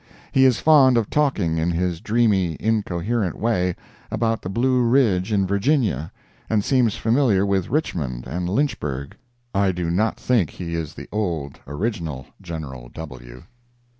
He is fond of talking in his dreamy, incoherent way, about the Blue Ridge in Virginia, and seems familiar with Richmond and Lynchburg. I do not think he is the old original General W.